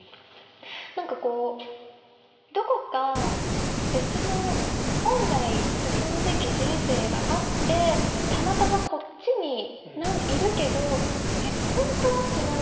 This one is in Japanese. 何かこうどこか別の本来進むべき人生があってたまたまこっちにいるけど本当は違うと思う。